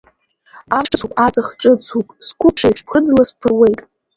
Амыш ҿыцуп, аҵых ҿыцуп, сқәыԥшреиԥш ԥхыӡла сԥыруеит.